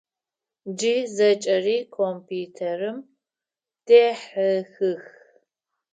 Джы зэкӏэри компьютерым дехьыхых.